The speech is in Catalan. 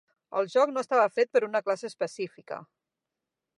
El joc no estava fet per una classe específica.